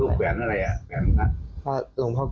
ลูกแผลละอะไรหลวงพ่อกรวย